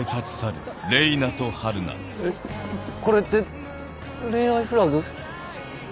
えこれって恋愛フラグ？